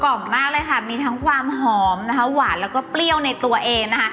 กลอมมากเลยค่ะมีทั้งความหอมหวานและก็เปรี้ยวในตัวเอง